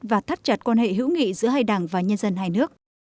và thắt chặt quan hệ hữu nghị giữa hai đảng và nhân dân hai nước